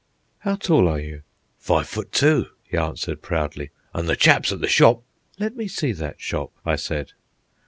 "How tall are you?" "Five foot two," he answered proudly; "an' the chaps at the shop ..." "Let me see that shop," I said.